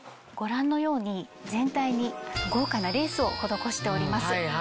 ご覧のように全体に豪華なレースを施しております。